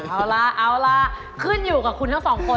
เอาล่ะขึ้นอยู่กับคุณเหลือ๒คนค่ะ